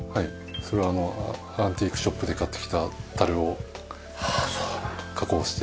それはアンティークショップで買ってきた樽を加工して。